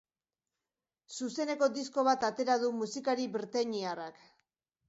Zuzeneko disko bat atera du musikari britainiarrak.